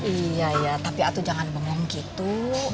iya iya tapi atuh jangan bengong gitu